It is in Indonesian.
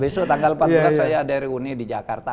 esok tanggal empat maret saya ada reuni di jakarta